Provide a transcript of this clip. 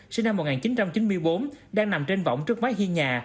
sinh năm một nghìn chín trăm chín mươi bốn đang nằm trên vỏng trước mái hiên nhà